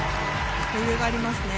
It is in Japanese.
余裕がありますね。